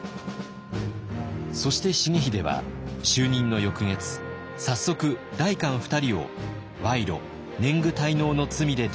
そして重秀は就任の翌月早速代官二人を賄賂年貢滞納の罪で摘発。